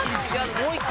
もう一個